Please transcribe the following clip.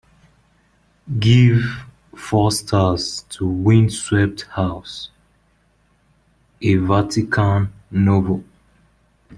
Give four stars to Windswept House: A Vatican Novel